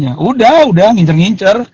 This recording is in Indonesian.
makanya udah udah ngincer ngincer